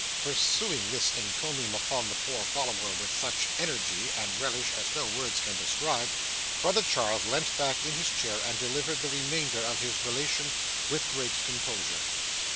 Pursuing this encomium upon the poor follower with such energy and relish as no words can describe, brother Charles leant back in his chair, and delivered the remainder of his relation with greater composure.